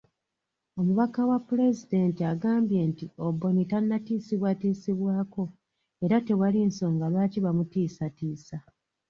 Omubaka wa Pulezidenti agambye nti Oboni tannatiisibwatiisibwako era tewali nsonga lwaki bamutiisatiisa.